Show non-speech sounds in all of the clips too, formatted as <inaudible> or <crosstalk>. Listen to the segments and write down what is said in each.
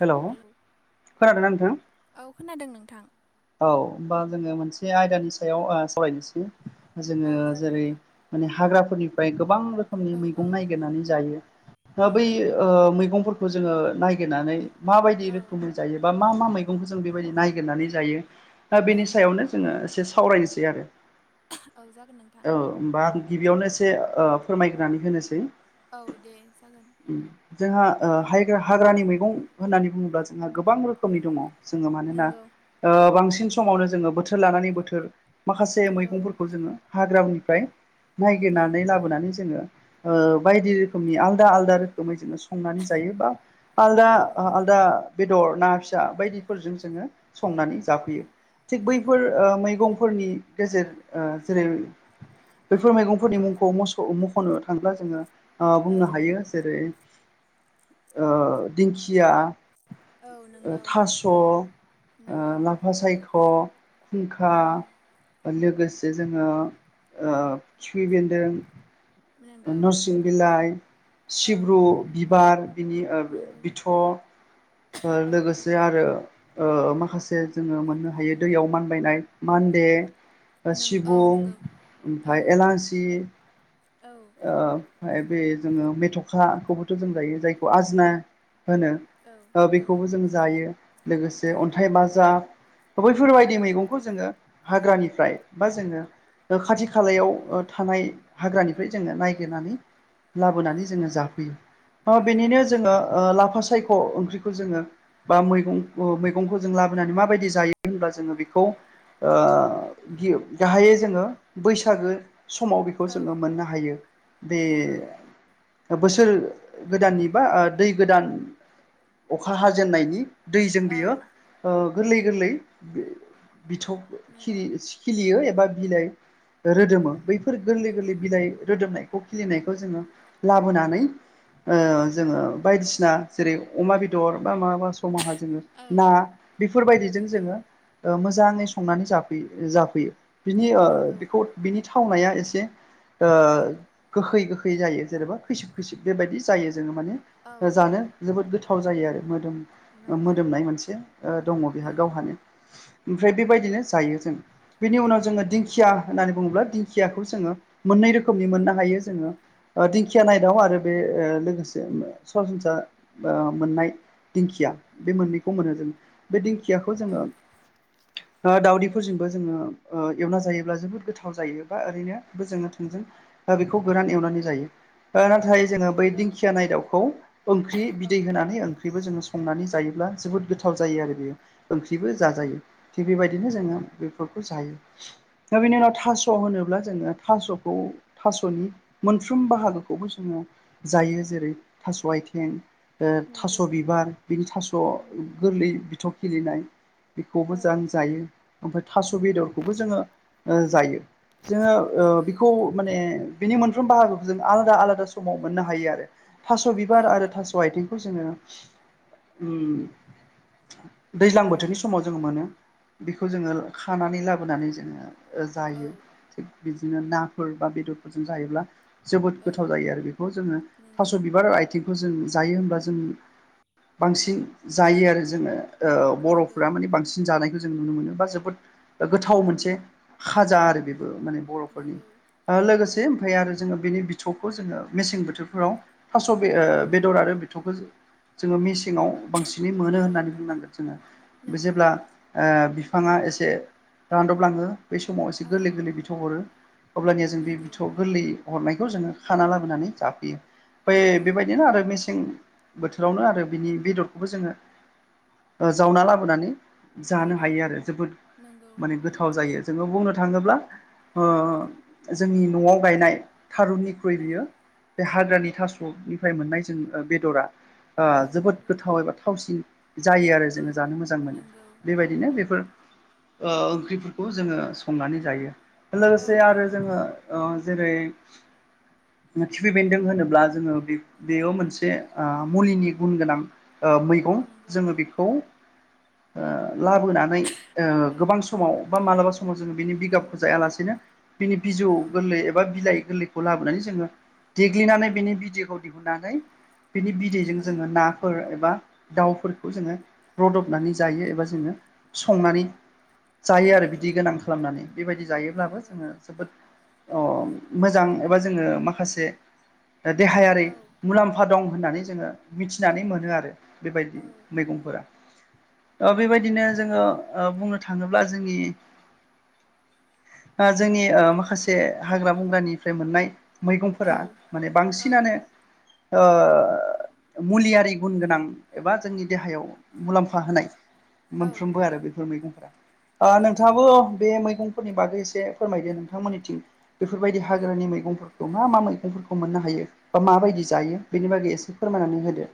हेल' hello खोनादोंना नोंथां? औ खोनादों नोंथां औ होमबा जोङो मोनसे आयदानि सायाव ओ सावरायनोसै जोङो औ जागोन जेरै नोंथां माने हाग्राफोरनिफ्राय गोबां रोखोम रोखोमनि औ औ मैगं नायागिरनानै जायो दा बै नंगौ ओ मैगंफोरखौ जोङो नागिरनानै माबायदि औ रोखोमै जायो बा मा मा मैगंखौ जों बेबायदि नायगिरनानै जायो? दा औ बेनि सायावनो जोङो एसे सावरायनोसै आरो। औ जागोन नोंथां। औ होमबा आं गिबियावनो एसे ओ- फोरमायग्रानै होनोसै। औ दे जागोन। जोंहा ह हाग्रानि मैगं होननानै बुङोब्ला जोंहा गोबां रोखोमनि दङ। जोङो मानोना नंगौ ओ- बांसिन समावनो जोङो बोथोर लानानै बोथोर माखासे नंगौ मैगंफोरखौ जोङो हाग्रानिफ्राय नंगौ गिरनानै औ लाबोनानै जोङो ओ- बायदि रोखोमनि आलदा आलदा रोखोमै जोङो संनानै जायो बा आलदा औ नंगौ आलदा बेदर ना फिसा बायदिफोरजों जोङो संनानै जाफैयो। थिग नंगौ बैफोर ओ- मैगंफोरनि गेजेर जेरै ओ बैफोर मैगंफोरनि मुंखौ म मख'नो थांगोन जोङो। ओ- औ बुंनो हायो जेरै दिंखिया। औ नंगौ थास' ओ- नंगौ लाफा सायख'। फुंखा औ लोगोसे जोङो खिफि बेन्दों नंगौ नोरसिं बिलाइ औ सिब्रु बिबार बिनि ओ- नंगौ बिथ'। ओ- औ औ लोगोसे आरो ओ- माखासे जोङो मोननो हायो दैयाव मानबायनाय मानदे। नों सिब औ नंगौ औ ओमफफ्राय एलांसि औ ओ ओमफफ्राय बे जोङो मेथ'खाखौबोथ' जों जायो जायखौ आजना होनो। औ ओ- औ बेखौबो जों जायो लोगोसे नंगौ अन्थाइ बाजाब औ बैफोरबायदि मैगं जोङो हाग्रानिफ्राय बा जोङो खाथि खालायाव थानाय हाग्रानिफ्राय जोङो ननायागिरनानै औ लाबोनानै जोङो जाफैयो नंगौ बेनिनो जोङो ओ- लाफा सायख' ओंख्रि जोङो बा मै मैगंखौ जों लाबोनानै माबायदि जायो होनब्ला जोङो बेखौ ओ- गाहायै जोङो बैसागो समाव बेखौ औ जोङो मोननो हायो बे नंगौ बोसोर गोदाननि बा ओ- दै गोदान अखा हाजेननायनि दैजों औ बियो ओ- गोरलै गोरलै बिथौ नंगौ खिलियो एबा बिलाइ रोदोमो बैफोर गोरलै गोरलै नंगौ बिलाइ रोदोमनाय खौ खिलिनायखौ जोङो लाबोनानै ओ- जोङो बायदिसिना जेरै अमा बेदर बा माबाबा समावहा जोङो औ ना बेफोरबायदिजों नंगौ जोङो ओ- मोजाङै संनानै जाफैयो जाफैयो बिनि ओ- नोंगौ बेखौ बिनि थावनाया एसे ओ- गोहै गोखै जायो जेनेबा खैसिब खैसिोब बेबायदि जायो जोङो औ माने जानो जोबोद गोथाव जायो आरो मोदोम नोंगौ मोदोमनाय मोनसे ओ- दङ बेहा औ गावहानो ओमफ्राय बेबायदिनो जायो जोंओ। बेनि उनाव जोङो दिंखिया होननानै बुङोब्ला दिंखियाखौ जोङो मोननै रोखोमनि मोननो हायो। ओ- दिंखिया नाय दाव आरो बे लोगोसे सरासनस्रा ओ- मोननाय दिंखिया बे मोननैखौ मोनो जों बे दिंखियाखौ औ जोङो ओ- दाउदैफोरजोंबो जोङो ओ- एवना जायोब्ला जोबोद गोथाव जायो बा ओरैनो जोङो थोंजों बेखौ गोरान एवनानै जायो नाथाय जोङो बै नोंगौ दिंखिया नाय दाउखौ ओंख्रि औ बिदै होनानै ओंख्रिबो जोङो संनानै जायोब्ला जोबोद गोथाव जायो आरो बेयो। ओंख्रिबो नोंगौ जाजायो थिग बेबायदिनो औ जोङो बेफोरखौ जायो। दा बिनि उनाव थास' होनोब्ला जोङो थास'खौ थास'नि मोनफ्रोम बाहागोखौबो जोङो जायो जेरै थास' आथिं ओ थास' नोंगौ बिबार बिनि थास' नोंगौ गोरलै बिथौ खिलिनाय। बेखौबो औ जा जायो ओमफ्राय थास' नोंगौ बेदरखौबो जोङो जायो। जोङो ओ नोंगौ बेखौ माने बिनि मोनफ्रोम बाहागोखौ जों आलादा आलादा समाव मोननो हायो आरो, थास' औ बिबार आरो थास' आथिं अम जों औ बोथोरनि समाव जों मोनो बेखौ जोङो खानानै लाबोनानै जोङो जायो औ थिग बिदिनो नाफोर बा बेदरफोरजों जायोब्ला जोबोद औ गोथाव जायो आरो बेखौ जोङो नोंगौ थास' बिबार आथिंखौ जों जायो होनबब्ला जों बांसिन जायो आरो जोङो नोंगौ बर'फोरा माने बांसिन जानायखौ जों नुनो मोनो बा जोबोद गोथाव मोनसे खाजा आरो बेबो माने बर'फोरनि नोंगौ लोगोसे ओमफ्राय आरो जोङो बेनि बिथौखौ जोङो मेसें बोथोरफोराव थास' बे औ बेदर आरो बिथंखौ जोङो मेसेङाव बांसिनै मोनो औ होननानै बुंनांगोन जोङो नोंगौ जेब्ला ओ बिफाङा एसे रानदबलाङो बै समाव एसे औ गोरलै गोरलै बिथौ हरो अब्लानिया जों बे नोंगौ बिथौआव गोरलै हरनायखौ जोङो खाना लाबोनानै जाफैयो बे नोंगौ बेबायदिनो आरो मेसें बोथोरावनो आरो बिनि बेदरखौबो जोङो जावना लाबोनानै जानो नोंगौ हायो आरो जोबोद नोंगौ माने गोथाव जायो जोङो बुंनो थाङोब्ला ओ जोंनि न'आव गायनाय थारुननि फ्रै औ बियो बे हाग्रानि थास'निफ्राय मोननाय जों बेदरा ओ औ जोबोद नोंगौ गोथाव एबा थावसिन जायो आरो जोङो औ जानो मोजां मोनो नोंगौ बेबायदि बिदिनो बेफोर ओ ओंख्रिफोरखौ जोङो संनानै जायो औ लोगोसे आरो जोङो ओ जेरै खिफि बेन्दों होनोब्ला जोङो बेयाव मोनसे ओ मुलिनि गुन गोनां ओ मैगं नोंगौ नोंगौ जोङो बे खौ लाबोनानै औ गोबां समाव बा मालाबा समाव जोङो बिनि बिगाबखौ जायालासेनो बिनि बिजौ औ गोरलै एबा बिलाइ गोरलै खौ लाबोनानै जोङो देग्लिनानै बेनि भिडिअ'खौ दिहुनन्नानै बिनि बिदैजों नोंगौ जोङो नाफोर एबा दाउफोरखौ जोङो रदबनानै जायो एबा जोङो संनानै जायो आरो नोंगौ बिदि गोनां खालामनानै बेबायदि जायोब्लाबो नोंगौ जोङो जोबोद अ मोजां एबा जोङो माखासे देहायारि औ मुलाम्फा दं होननानै जोङो मिथिनानै मोनो आरो बेबायदि औ मैगंफोरा बेबायदिनो जोङो औ बुंनो थाङोब्ला जोंनि जोंनि ओ माखासे हाग्रा बंग्रानिफ्राय मोननाय औ मैगंफोरा माने औ बांसिनानो ओ मुलिया गुन गोनां एबा जोंनि देहायाव मुलाम्फा होनाय औ मोनफ्रोमबो आरो बेफोर मैगंफोरा नंगौ नोंथाङाबो बे मैगं फोरनि बागै एसे फोरमायदो नोंथां मोननिथिं बेफोरबायदि हाग्रानि मैगंफोरखौ मा मा मैगंफोरखौ मोननो हायो बा माबायदि जायो बेनि बागै एसे एसे फोरमायनानै होदो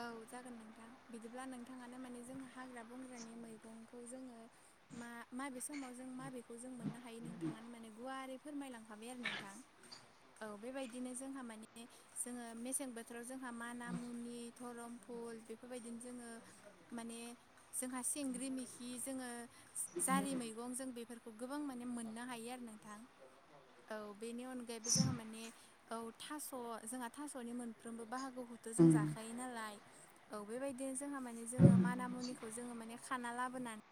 औ जागोन नोंथां बिदिब्ला नोंथाङानो माने जोंङो हाग्रा बंग्रानि मैगंखौ जोङो मा माबे समाव जों माबेखौ जों मोननो हायो नोंथाङानो माने गुवारै फोरमायलांखाबाय आरो नोंथां औ बेबायदिनो जोंहा मानि जोङो मेसें बोथोराव जोंहा माना मुनि धरम फुल बेफोरबायदिनो जोङो माने जोंहा सेंग्रि मेखि जोङो जारि मैगं जों बेफोरखौ गोबां माने मोननो हायो आरो नोंथां औ बेनि अनगायैबो जोंहा माने औ थास' जोंहा थास'नि मोनफ्रोमबो बाहागो औ जों जायो नालाय औ बेबायदिनो जों म ज माना मुनि जोङो माने खाना लाबोनानै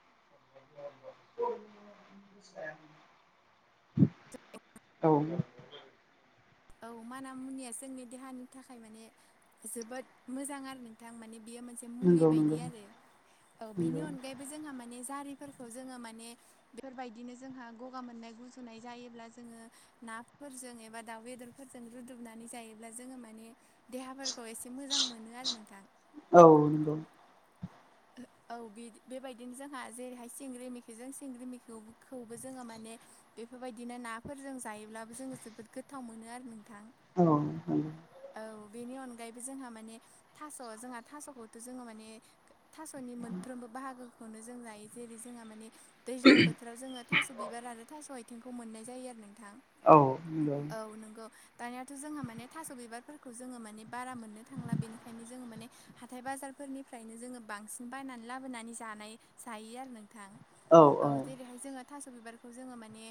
औसाया ज औ औ माना मुनिया जोंनि देहानि थाखाय माने जोबोद मोजां आरो नोंथां माने बेयो मोनसे एसे मुलि नंगौ नंगौ बायदि आरो औ बेनि अनगायैबो जोंहा माने जारिफोरखौ जोङो माने बेफोरबायदिनो जोंहा गगा मोननाय गुजुनाय जायोब्ला जोङो नाफोरजों एबा दाउ बेदरफोरजों रुदुबनानै जायोब्ला जोङो माने देहाफोरखौ एसे मोजां मोनो आरो नोंथां। औ नंगौ। औ बेदि बेबायदिनो जोंहा जेरैहाय सिंग्रि मेखिजों सिंग्रि मेखिखौबो जोङो माने बेफोरबायदिनो नाफोरजों जायोब्लाबो जोङो जोबोद गोथाव मोनो आरो नों थां औ नंगौ औ। बेनि अनगायैबो जोंहा माने थास' जोंहा थास'खौथ' जोङो माने थास'नि मोनफ्रोमबो बाहागोखौनो जों जायो जेरै जोंहा माने दैज्लां बोथोराव जोङो थास' बिबार आरो थास' आइथिंखौ मोननाय जायो आरो नोंथां। औ नंगौ औ नंगौ। दानियाथ' जोंहा माने थास' बिबारफोरखौ जोङो माने बारा मोननो थांला बेनिखायनो जोङो माने हाथाइ बाजारफोरनिफ्रायनो जोङो बांसिन बायनानै लाबोनानै जानाय जायो आरो नोंथां औ जेरै हाय जोङो थास' बिबारखौ जोङो माने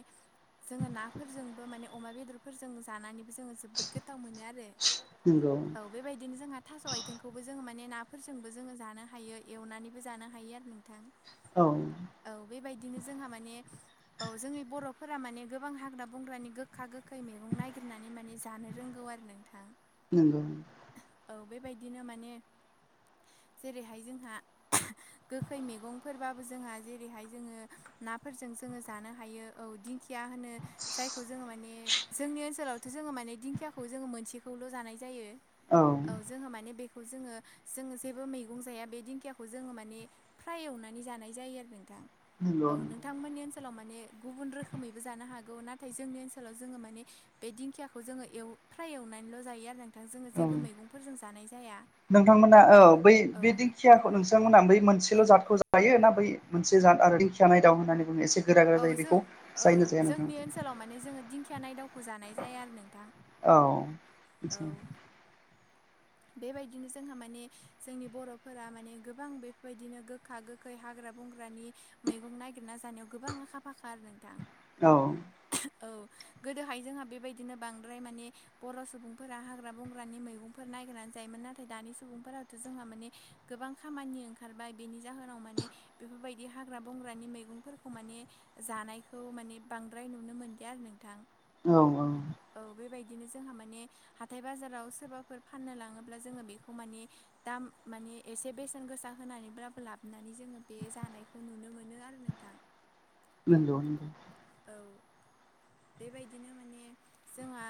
जोङो नाफोरजोंबो माने अमा बेदरफोरजों जानानैबो जोङो जोबोद गोथाव मोनो आरो नंगौ औ। बेबायदिनो जोंहा थास' आयथेंखौबो जोङो माने नाफोरजोंबो जोङो जानो हायो एवनानैबो जानो हायो आरो नोंथां। औ। औ बेबायदिनो जोंहा माने औ जोंनि बर'फोरा माने गोबां हाग्रा बंग्रानि गोखा गोखै मैगं नायगिरनानै माने जानो रोंगौ आरो नों नोंथां। नंगौ। औ बेबायदिनो माने हाय जोंहा गोखै मैगंफोरबाबो जोंहा जेरैहाय जोङो नाफोरजों जोङो जानो हायो औ दिं खिया होनो जायखौ जोङो माने जोंनि ओनसोलाव थ' जोङो माने दिंखियाखौ जोङो मोनसेखौल' जानाय जायो औ जोङो माने बेखौ जोङो जोङो जेबो मैगं जाया बे दिंखियाखौ जोङो माने फ्राय एवनानै जानाय जायो आरो नोंथां। नंगौ औ नोंथांमोननि ओनसोलाव माने गुबुन रोखोमैबो जानो हागौ नाथाय जोंनि ओनसोलाव जोङो माने बे दिंखियाखौ जोङो एव फ्राय एवनानैल' जायो आरो नोंथां जोङो औ जेबो मैगंफोरजों जानाय जाया। नोंथांमोना औ बै बे औ दिंखियाखौ नोंथांमोना बै मोनसेल' औ जादखौ जायो ना बै मोनसे जाद आरो दिंखिया नायदाव होननानै बुङो एसे गोरा गोरा औ जायो जों बेखौ औ जायनो जाया जोंनि नोंथांमोनथिं? ओनसोलाव माने जोङो दिंखिया नायदावखौ जानाय जाया आरो नोंथां। औ। <inaudible> औ बेबायदिनो जोंहा माने जोंनि बर'फोरा माने गोबां बेफोरबायदिनो गोखा गो खै हाग्रा बंग्रानि मैगं नागिरना जानायाव गोबां आखा फाखा आरो नोंथां। औ। औ गोदोहाय जोंहा बेबायदिनो बांद्राय माने बर' सुबुंफोरा हाग्रा बंग्रानि मैगं फोर नायगेरनानै जायोमोन नाथाय दानि सुबुंफोराथ' जोंहा माने गोबां खामानि ओंखारबाय बेनि जाहोनाव माने बेफोरबायदि हाग्रा बंग्रानि मैगंफोरखौ माने जानायखौ माने बांद्राय नुनो मोनलिया आरो नोंथां। औ औ। औ बेबायदिनो जोंहा माने हाथाय बाजाराव सोरबाफोर फाननो लाङोब्ला जोङो बेखौ माने दाम माने एसे बेसेन गोसा होनानैब्लाबो लाबोनानै जोङो बे जानायखौ नुनो मोनो आरो नोंथां। नंगौ नंगौ। औ। बेबायदिनो माने जोंहा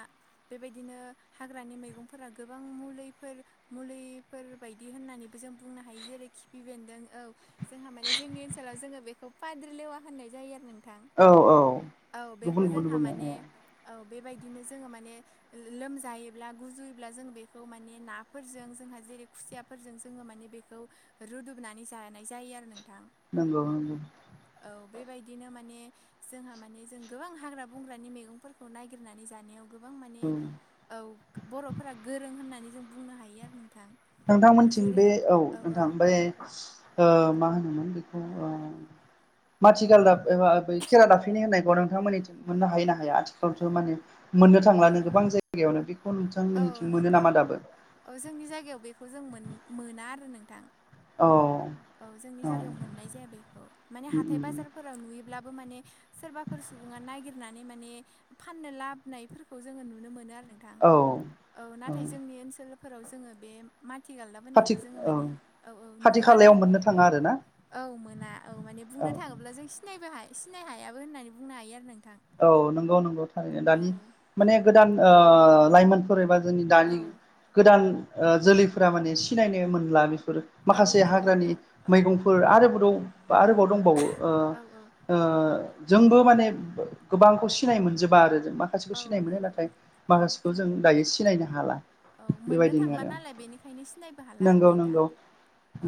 बेबायदिनो हाग्रानि मैगंफोरा गोबां मुलिफोर मुलिफोर बायदि होननानैबो जों बुंनो हायो जेरै खिफि बेन्दों औ जोंहा माने जोंनि ओनसोलाव जोङो बेखौ फाद्रि लेवा होननाय जायो आरो नों औ औ गुबुन गुबुन जोंहा बुङो माने औ औ बेबायदिनो जोङो माने लोमजायोब्ला गुजुयोब्ला जों बेखौ माने नाफोरजों जोंहा जेरै खुसिया फोरजों जोङो माने बेखौ रुदुमनानै जानाय जायो आरो नोंथां नंगौ नंगौ औ बेबायदिनो माने जोंहा माने जों गोबां हाग्रा बंग्रानि मैगंफोरखौ नागिरनानै जानायाव गोबां माने औ औ बर'फोरा गोरों होननानै जों बुंनो हायो आरो नोंथां नोंथांमोनथिं बे औ नोंथां बे ओ मा होनोमोन बेखौ ओ माथिगाल दाब एबा बै खेरा दाबफिनि होननायखौ नोंथांमोननिथिं मोननो हायो ना हाया आथिखालावथो माने मोननो औ थांला नो गोबां जायगायावनो बेखौ नोंथां औ मिथिनो मोनो नोंथां नामा दाबो? औ जोंनि जायगायाव बेखौ जों मोन मोना आरो नोंथां औ औ जोंनि जायगायाव मोननाय जाया बेखौ माने हाथाय उम बाजार फोराव नुयोब्लाबो माने सोरबाफोर सुबुङा नागिरनानै माने फाननो लाबोनायफोरखौ जोङो नुनो मोनो आरो नों थां औ औ नाथाय जोंनि ओनोलफोराव जोङो बे माथि गालदाब खाथि होननायखौ जोङो औ मानिऔ औ खाथि नुवा खालायाव आरोना मोननो थाङा आरो ना? औ मोना औ माने बुंनो औ थाङोब्ला जों सिनायबो सिनायनो हायाबो होननानै बुंनो हायो आरो नोंथां औ नंगौ नंगौ थारैनो औ दानि माने गोदान ओ औ लाइमोन फोर एबा जोंनि औ दानि गोदान जोलैफोरा माने सिनायनो मोनला बेफोर औ माखासे नंगौ हाग्रानि नोंथां औ मैगंफोर आरोबोराव आरोबाव दंबावो औ औ ओ जोंबो माने गोबांखौ सिनाय मोनजोबा आरो जों मा माखासेखौ औ सिनाय मोनो नंगौ नाथाय औ माखासेखौ जों दायो सिनायनो हाला औ मोननो बेबायदिनो थांला आरो नालाय बेनिखायनो सिनायबो हाला आरो नंगौ नोंथां नंगौ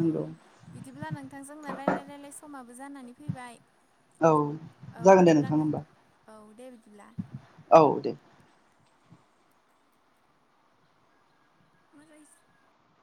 औ बिदिब्ला नोंथांजोंनो राय्लाय रायलाय समाबो जानानै फैबाय औ औ जागोन दे बिदिब्ला नोंथां नों होमबा औ दे बिदिब्ला औ दे मा रायज्ल